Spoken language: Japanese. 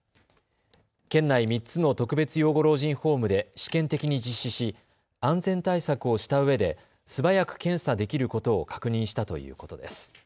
県内３つの特別養護老人ホームで試験的に実施し安全対策をしたうえで素早く検査できることを確認したということです。